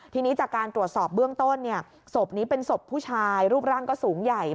ทีนี้จากการตรวจสอบเบื้องต้นศพนี้เป็นศพผู้ชายรูปร่างก็สูงใหญ่